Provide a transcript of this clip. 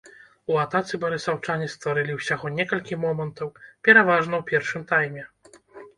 У атацы барысаўчане стварылі ўсяго некалькі момантаў, пераважна ў першым тайме.